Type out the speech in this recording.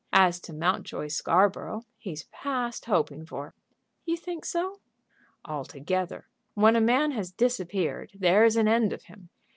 As to Mountjoy Scarborough, he's past hoping for." "You think so?" "Altogether. When a man has disappeared there's an end of him.